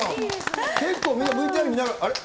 結構みんな、ＶＴＲ見ながら、あれ？